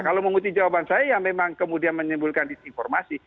kalau mengutip jawaban saya ya memang kemudian menyimpulkan disinformasi